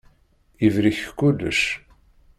Yebrik kullec.